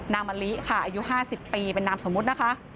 มะลิค่ะอายุ๕๐ปีเป็นนามสมมุตินะคะ